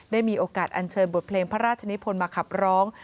ได้มีโอกาสอันเชิญบทเพลงพระราชนิพลมาขับร้อง